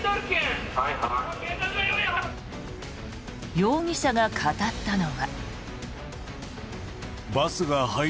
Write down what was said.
容疑者が語ったのは。